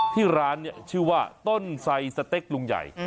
ที่ร้านชื่อว่าต้นใส่สต๊กลุงใหญ่